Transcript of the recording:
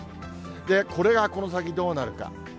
これがこの先どうなるか。